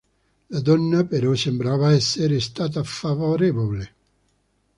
La donna, però, sembrava esser stata favorevole.